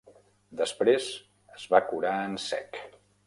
Després, es va curar en sec.